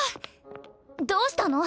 どうしたの？